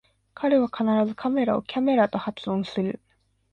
彼は必ずカメラをキャメラと発音する